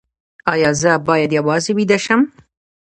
ایا زه باید یوازې ویده شم؟